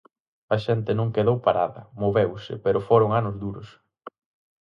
A xente non quedou parada, moveuse, pero foron anos duros.